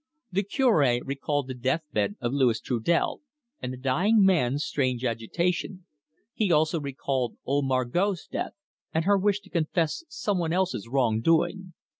The Cure recalled the death bed of Louis Trudel, and the dying man's strange agitation. He also recalled old Margot's death, and her wish to confess some one else's wrong doing.